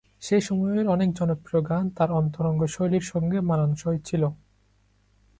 সেই সময়ের অনেক জনপ্রিয় গান তাঁর অন্তরঙ্গ শৈলীর সঙ্গে মানানসই ছিল।